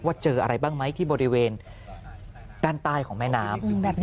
เจออะไรบ้างไหมที่บริเวณด้านใต้ของแม่น้ำ